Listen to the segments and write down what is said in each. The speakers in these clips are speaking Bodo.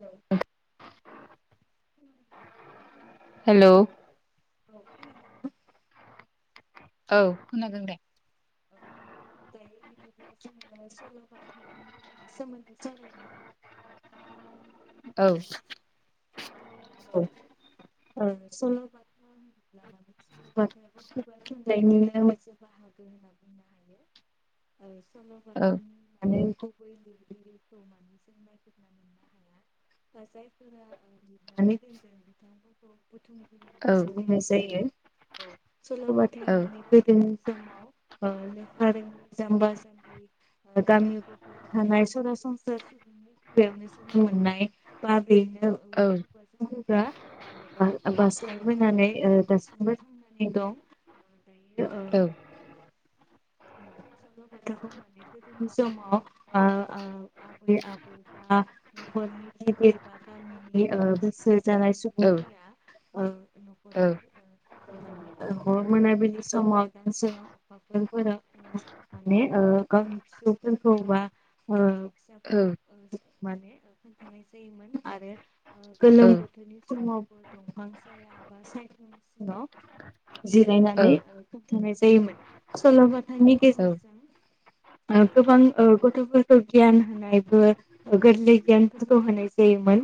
औ। खोनादों ना? हेलौ। औ खोनादों दे। [inaudible] सावरायनि। औ। औ [unintelligible] [unintelligible] थुनलायनिनो मोनसे बाहागो होनना बुंनो हायो। सल' औ बाथा होननानै गुबै लिरगिरिखौ मानिजों नायगिरना मोननो हाया दा जायफोरा लिरनानै दोनदों बिथांमोनखौ बुथुमगिरि औ होननासो बुंनाय जायो औ औ सल'बाथाया माने गोदोनि समाव ओ [unintelligible] जाम्बा जाम्बि ओ गामि गफयाव थानाय सरासनस्रा सुबुंनि खुगायावनो जोनोम मोननाय बा बेनो औ उनाव [unintelligible] ओ बा-बास्लायबोनानै ओ दासिमबो थांनानै दं। ओ दायो ओ औ औ सल' बाथाखौ माने गोदोनि समाव ओ ओ आबै आबौ बा न'खरनि गिदिर बा गामिनि ओ बोसो जानाय औ सुबुंफोरा ओ औ न'खरनि ओ माने ओ हर मोनाबिलि समाव दानसोरां अखाफोर फोराव ओ माने ओ गावनि फिसौफोरखौ बा ओ फिसाफोरखौ औ ओ माने ओ खोन्थानाय जायोमोन आरो ओ औ गोलोम बोथोरनि समाव सो दंफां साया बा सायख्लुम सिङाव जिरायनानै ओ खोनथानाय जायोमोन सल'बा थानि गेजेरजों ओ गोबां ओ गथ'फोरखौ गियान होनायबो ओ गोरलै गियानफोरखौ होनाय जायोमोन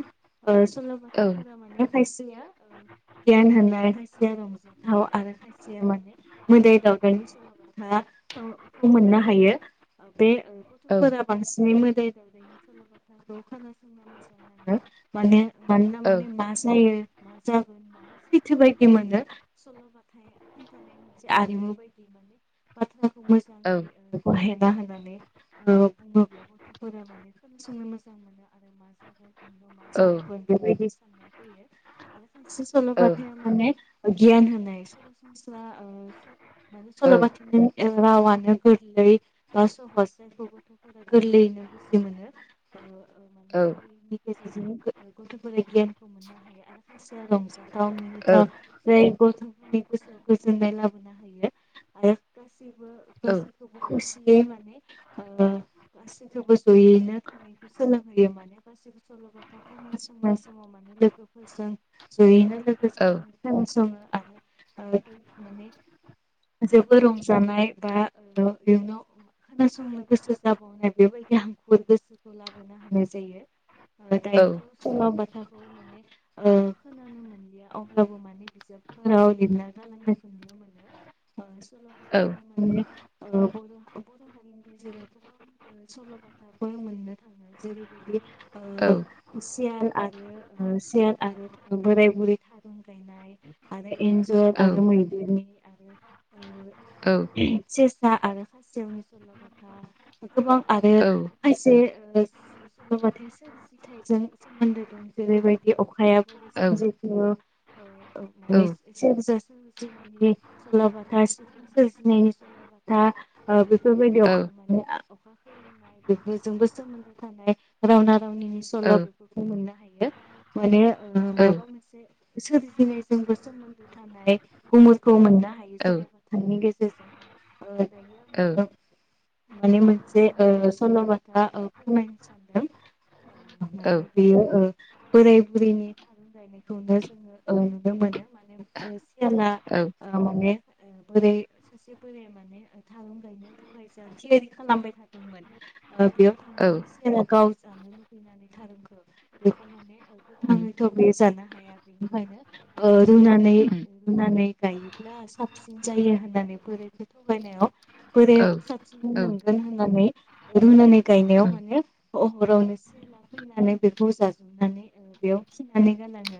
ओ सल'बाथाफोरा माने खायसेया ओ गियान होनाय खायसेया रंजाथाव आरो खायसेया माने मोदाय दावदायनि सल'बाथा खौ मोननो हायो ओ बे गथ'फोरा बांसिनै मोदाय दावदायनि सल'बाथाखौ खोनासंनो मोजां नाङो माने मानोना माने मा जायो मा जागोन माने सैथो बायदि मोनो सल'बाथा खोन्थानाया मोनसे आरिमु बायदि माने बाथ्रा खौ मोजाङै ओ गहेना होननानै ओ बुङोब्ला गथ'फोरा माने खोनासंनो मोजां मोनो आरो मा जागोन इयुनाव मा औ जाबावगोन बेबायदि साननाया फैयो आरो खायसे औ सल'बाथायाव माने ओ गियान होनाय सरासनस्रा ओ माने औ सल'बाथानि रावानो गोरलै बा सहस जायखौ गथफोरा गोरलैयैनो बुजि मोनो माने औ जायनि गेजेरजों गथ'फोरा गियानखौ मोननो हायो आरो खायसेया रंजा उम [inaudible] [unintelligible] [unintelligible] गथ'फोरनि गोसोआव गोजोननाय लाबोनो हायो आरो गासैबो गासैखौबो खुसियै माने गासैखौबो जयैनो थानायखौ सोलोंहोयो माने गासैबो सलबाथा खोनासंनाय समाव माने लोगोफोरजों जयैनो लोगो जानानै खोनासङो आरो माने जोबोद रंजानाय बा लिरनो खोनासंनो गोसो जाबावनाय बेबायदि हांखुर गोसोखौ लाबोना होनाय जायो दायोथ समाव बाथाखौ माने खोनानो मोनलिया अब्लाबो माने बिजाबफोराव लिरना गालांनायखौ नुनो मोनो [unintelligible] सल'बाथा माने बर बर हारिनि गेजेराव गोबां सलबाथाफोर मोननो थाङो जेरैबायदि सियाल आरो सियाल आरो बोराय बुरै थारुन गायनाय आरो एन्जर आरो मैदेरनि आरो सेसा आरो खाायसेयावनि सल'बाथा गोबां आरो खायसे सलबाथाया सोरजिथायजों सोमोन्दो दं जेरैबायदि अखाया बोरै सोमजिखो माने सेरजा सोरोमजिनायनि सल'बाथा सिफुं सोरजिनायनि सल' बाथा बेफोरबायदि अखा माने अखा खोरोमनाय बेफोरजोंबो सोमोन्दो थानाय रावना रावनिनि सल' बेफोरखौ मोननो हायो माने माबा मोनसे सोरजिनायजोंबो सोमोन्दो थानाय गुमुरखौ मोननो हायो सल'बाथा निगेजेरजों दायो आङो माने मोनसे सल'बाथा फोरमायनो सानदों माने बेयो बोराय बुरिनि थारुन गायनायखौनो जोङो नुनो मोनो माने सियाला माने बोरै सासे बोराया माने थारुन गायनो थाखाय जों थियारि खालामबाय थादोंमोन बेयाव थांनानै सेरा गाव जानो लुबैनानै थारुनखौ बेखौ माने गोथाङैथ बे जानो हाया बेनिखायनो रुनानै उम रुनानै गायोब्ला साफ जायो होननानै बोराखौ थगायनायाव औ बोरायाबो साबसिन उम औ मोनगोन होननानै रुनानै गायनायाव औ माने हरावनो सियालाफैनानै बेखौ जाजोबनानै बेयाव खिनानै गालाङो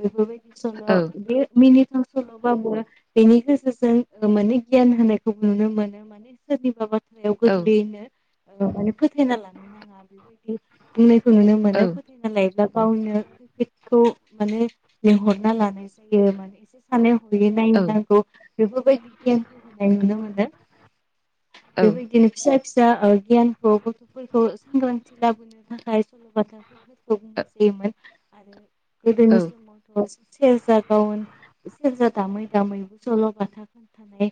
बेफोरबायदि सल औ बे मिनिथाव सलबाबो बेनि बिसोरजों माने गियान होनायखौ नुनो मोनो माने सोरनिबा बाथ्रायाव गोरलैयैनो माने फोथायना लानो नाङा बेबायदि बुंनायखौ नुनो मोनो फोथायना लायोब्ला गावनो खैफोदखौ माने लिंहरना लानाय जायो माने एसे सान हरै नायनो औ नांगौ बेफोरबायदि गियानखौ होनाय नुनो मोनो बेबायदिनो फिसा फिसा गियानखौ गथफोरखौ सांग्रांथि लाबोनो थाखाय सलबाथाफोरखौ बुंनाय जायोमोन आरो गोदोनि समावथ सेरजा गावन सेरजा दामै दामैबो सल' बाथा खोन्थानाय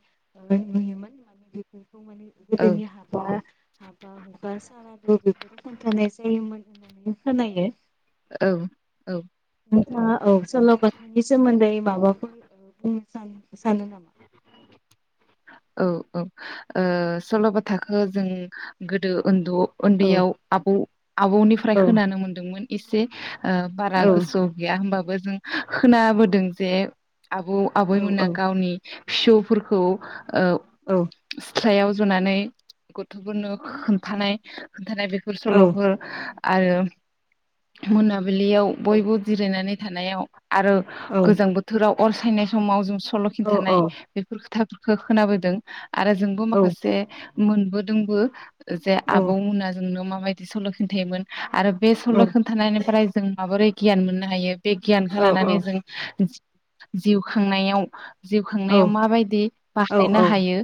नुयोमोन माने बेफोरखौ माने गोदोनि हाबा हाबा हुखा सारादु बेफोरखौ खोन्थानाय जायोमोन होननानै खोनायो औ औ नोंथा औ सलबाथानि सोमोन्दै माबाफोर बुंनो सान सानो नामा सल'बा थाखो जों गोदो उन्दै उन्दै औ आव आबौ आबौनिफ्राय औ खोनानो मोन्दोंमोन इसे ओ बारा औ गोसो गैया होमबा बो जों खोनाबोदों जे आबौ औ औ आबैमोना गावनि फिसौफोरखौ औ फिसायाव जनानै गथ'फोरनो खोनथानाय खोनथानाय बेफोर औ सलफोर आरो मोनाबा फाब्लियाव बयबो जिरायनानै। थानायाव आरो औ गोजां बोथोराव अर सायनाय समाव जों औ सलखिनथानाय औ बेफोर खोथा खोनाबोदों आरो जों औ फारसे मोनबोदोंबो। जे औ आबौ मोना जोंनो मा बायदि सल खिन्थायोमोन। आरो बे औ सल खोन्थानायनिफ्राय जों माबोरै गियान मोननो हायो बे गियानखौ औ लानानै जों जि जिउ खांनायाव जिउ औ खांनायाव माबायदि बाहायनो औ हायो?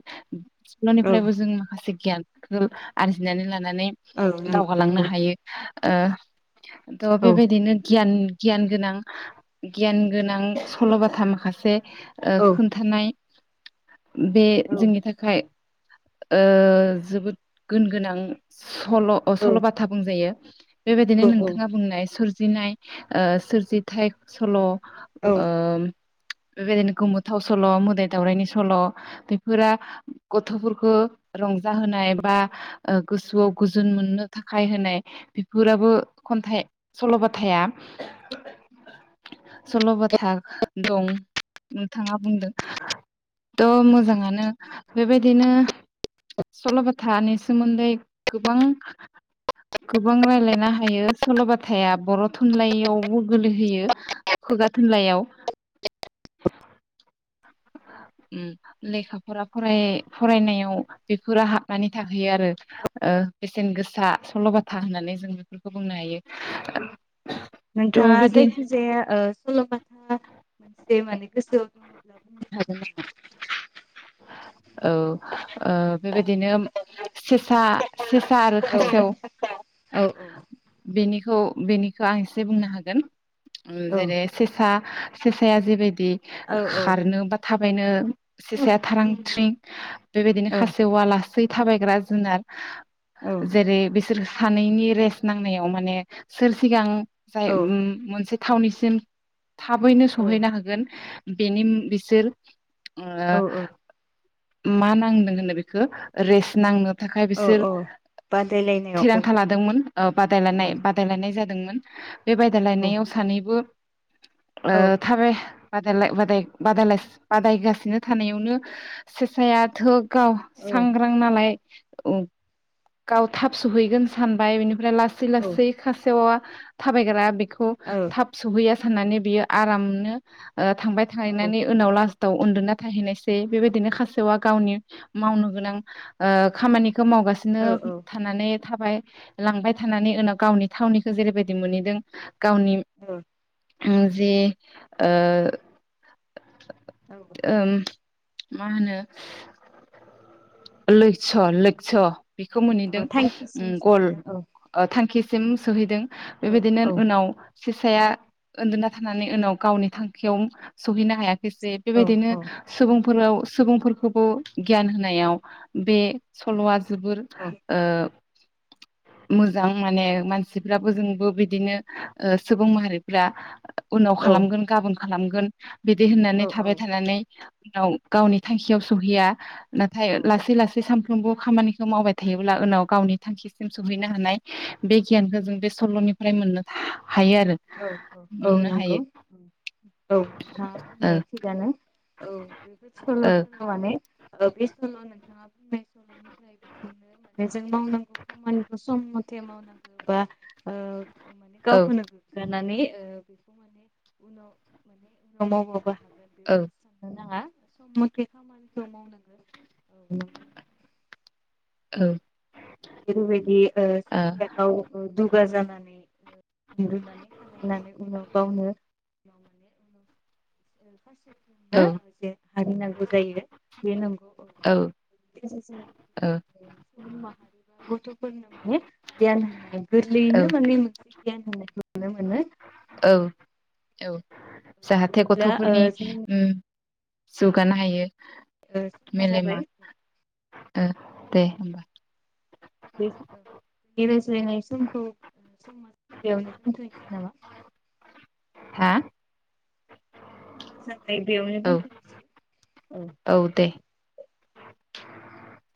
सखल'निफ्रायबो जोङो। गियान आरजिनानै लानो नानै औ नंगौ औ दावगालांनो हायो। ओ त औ बे बायदिनो गियान गियान गोनां गियान गोनां सल'बाथा माखासे ओ खोन्थानाय बे जोंनि थाखाय ओ जोबोद गुन गोनां। सल' औ सल' बाथा बुंजायो। [unintelligible] बेबायदिनो औ नोंथाङा बुंनाय सोरजि सोरजिनाय सोरजिथायाइ सल'। औ ओ बेबायदिनो गोमोथाव सल' मोदाय दावराइनि सल' बेफोरा गथ'फोरखौ रंजाहोनाय बा गोसोआव गोजोन मोननो थाखाय होनाय बेफोराबो खन्थाइ सल'बाथाया सल'बाथा दं नोंथाङा बुंदों त मोजाङानो। बेबायदिनो सल'बाथानि सोमोन्दै गोबां गोबां रायलायना हायो सल'बाथाया बर' थुनलाइयावबो गोलैहैयो खुगा थुनलाइयाव लेखाफोरा फराय फरायनायाव बेफोरो हाबनानै थाहैयो आरो ओ बेसेन गोसा सल'बाथा होननानै जों बेफोरखौ बुंनो हायो। थ' नोंथाङा बिदि जायखिजाया ओ सल'बा था मोनसे माने गोसोआव दङब्ला बुंनो हागोन नामा? औ ओ बेबायदिनो सेसा सेसा आरो खासेव हागोन औ बेनि त बेनिखौ आं एसे बुंनो हागोन। औ जेरै सेसा सेसाया जेरै बे औ खारनो बा थाबायनो सेसाया थारां थ्रिं बेबायदिनो औ खासेवा लास लासै थाबायग्रा जुनार औ जेरै बिसोर सानैनि रेस नांनायाव माने सोर सिगां जाय उम मोनसे थावनिसिम थाबैनो सहैनो हागोन। बेनिम बिसोर ओ औ मा नांदों होनो बेखौ रेस नांङो थाखाय औ बिसोर औ बादायलायनायाव औ थिरांथा लादोंमोन ओ औ बादालायनाय बादायलायनाय जा दोंमोन। बे औ बादायलायनायाव सानैबो ओ औ थारै बादायलाय बादाय बादायलास बादायगासिनो थानायावनो सेसेाया थोग गाव औ सांग्रां नालाय ओं गाव थाब सहैगोन सानबाय बिनि ब्रा लासै लासै खासेवा थाबायग्रा बिक खौ औ थाब सहैयासै साननानै बियो आरामनो ओ थांबाय औ थाहैनानै उनाव लास थाव उन्दुना थाहैनायस बे बेबायदिनो खासेवआ गावनि मावनो गोनां ओ खामानि खोे मावगासिनो औ थानानै थाबाय लांबाय थानानै उनाव गावनि थावनिखौ जेरैबायदि मोनहैदों गावनि उम जे ओ ओम मा होनो लैस' लैखस' बेखौ मोनहैदों उम थांखिसिम गल सहैदों औ ओ थांखि सिम सोहैदों। औ बेबायदिनो औ उनाव सेसाया उन्दुना थानानै उनाव गावनि थांखियाव सहैनो हा हायाखिसै बिबादिनो औ औ सबुं फोराव सुबुंफोरखौबो गियान होनायाव बे सल'आ जोबोर औ ओ मोजां माने मानसिफ्राबो जोंबो बिदिनो ओ सुबुं माहारिफ्रा उनाव खालामगोन गाबोन खालामगोन बिदि औ होननानै थाबाय थानानै उनाव गावनि थांखियाव सहैया नाथाय औ लासै लासै साम फ्रोमबो खामानिखौ मावबाय थायोब्ला उनाव गावनि थांखिसिम सहैनो हानाय बे गियानखौ जों बे सल'निफ्राय मोननो हायो आरो औ औ औ मोननो नंगौ हायो औ नोंथाङा ओ बुंनाया थिगानो। औ बेफोर ओ सलफोरा माने ओ बे सल' नोंथाङा बुंनाय सल'निफ्राय बेखौनो मा ने जों मावनांगौ खामानिखौ सम म [unintelligible] मावनांगौ बा ओ माने औ गावखौनो नानै ओ बेखौ माने उनाव माने उनाव मावबाबो हागोन औ बेबायदि साननो नाङा सम मथे खामानिखौ मावनांगोन औ नोंगौ। औ [unintelligible] [unintelligible] [unintelligible] [unintelligible] बे ओ औ गथ'फोरनो माने गियान होनाय औ गोरलैयैनो माने मोनसे गियान होननायखौ नुनो मोनो। औ औ! जाहाथे बिदिब्ला ओ गथ'फोरनि जोंनि उम जौगानो हायो। ओ समा जाबाय। उम दे होमबा। बे रायज्लायनाय समखौ समयावनो दोनथ'नोसै नामा? हा। [inaudible] ओमफ्राय बेयावनो औ औ दोनथ'सै। [inaudible]